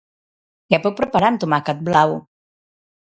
Què puc preparar amb tomàquet blau?